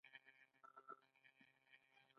آیا موږ متقیان یو؟